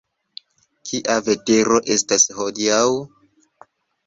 Kia vetero estas hodiaŭ?